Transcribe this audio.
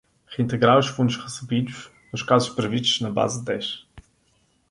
Reintegrar os fundos recebidos nos casos previstos na base dez.